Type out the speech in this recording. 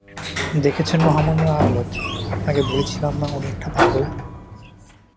দেখেছেন মহামান্য আদালত, আপনাকে বলেছিলাম না উনি একটা পাগল।